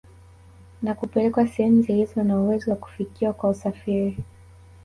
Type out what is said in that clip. Na kupelekwa sehemu zilizo na uwezo wa kufikiwa kwa usafiri